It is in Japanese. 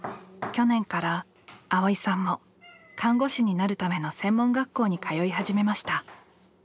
去年から蒼依さんも看護師になるための専門学校に通い始めました。